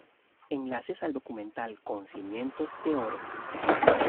Enlaces al Documental Con Cimientos de Oro